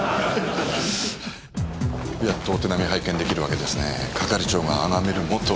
やっとお手並み拝見出来るわけですね係長があがめる元エース。